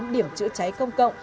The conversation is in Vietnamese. sáu mươi tám điểm chữa cháy công cộng